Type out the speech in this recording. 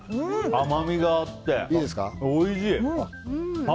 甘みがあっておいしい。